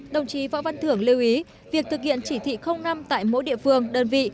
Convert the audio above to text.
đồng chí võ văn thưởng lưu ý việc thực hiện chỉ thị năm tại mỗi địa phương đơn vị